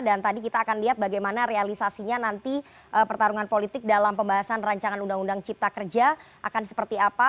dan tadi kita akan lihat bagaimana realisasinya nanti pertarungan politik dalam pembahasan ruu ciptakerja akan seperti apa